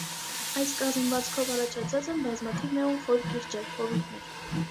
Այս կազմվածքով առաջացած են բազմաթիվ նեղ ու խոր կիրճեր, հովիտներ։